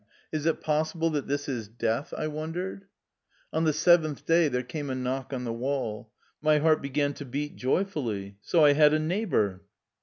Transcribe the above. Is it possible that this is death? " I wondered. On the seventh day there came a knock on the wall. My heart began to beat joyfully : so I had a neighbor!